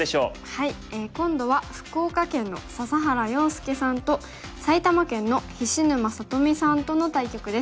今度は福岡県の笹原陽介さんと埼玉県の菱沼さとみさんとの対局です。